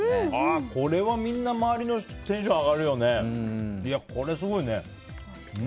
これはみんな周りのテンション上がるよね。